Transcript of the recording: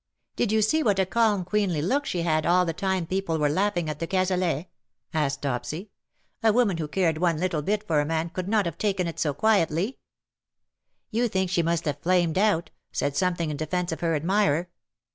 '^" Did you see what a calm queenly look she had all the time people were laughing at de Cazalet ?'' asked Dopsy. "A woman who cared one little 245 bit for a man could not have taken it so quietly/^ " You think she must have flamed out — said something in defence of her admirer.